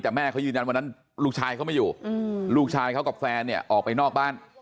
แต่แม่เขายืนยันวันนั้นลูกชายเขาไม่อยู่ลูกชายเขากับแฟนเนี่ยออกไปนอกบ้าน